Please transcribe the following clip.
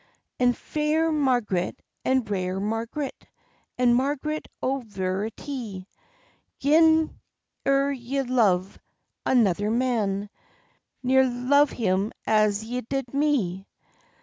"And fair Marg'ret, and rare Marg'ret, And Marg'ret, o' veritie, Gin ere ye love another man, Ne'er love him as ye did me."